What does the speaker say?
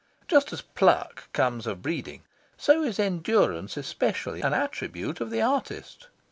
Just as "pluck" comes of breeding, so is endurance especially an attribute of the artist.